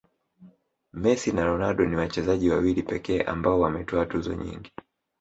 messi na ronaldo ni wachezaji wawili pekee ambao wametwaa tuzo nyingi